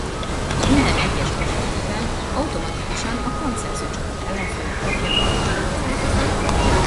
Minden egyes kosár után automatikusan a pontszerző csapat ellenfele kapja a labdát.